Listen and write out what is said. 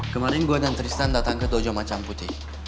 kemarin gue dan tristan datang ke dojo macam putih